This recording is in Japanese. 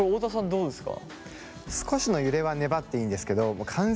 どうですか？